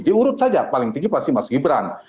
diurut saja paling tinggi pasti mas gibran